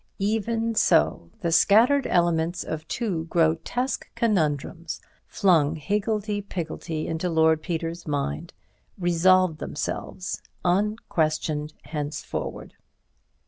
Even so, the scattered elements of two grotesque conundrums, flung higgledy piggledy into Lord Peter's mind, resolved themselves, unquestioned henceforward.